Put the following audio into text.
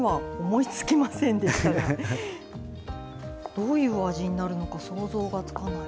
どういう味になるのか想像がつかない。